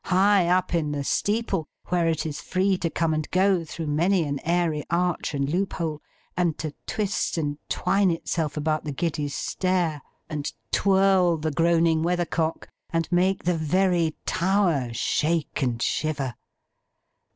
High up in the steeple, where it is free to come and go through many an airy arch and loophole, and to twist and twine itself about the giddy stair, and twirl the groaning weathercock, and make the very tower shake and shiver!